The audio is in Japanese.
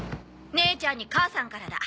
姉ちゃんに母さんからだ。